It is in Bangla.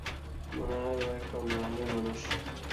মনে হয় ও একটা অন্য ধরণের মানুষ!